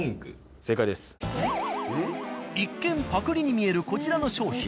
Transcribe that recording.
一見パクリに見えるこちらの商品。